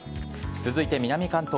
続いて南関東。